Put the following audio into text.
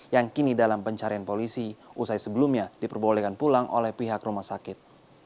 yang kini dalam pencarian polisi usai sebelumnya diperbolehkan pulang oleh pihak rumah sakit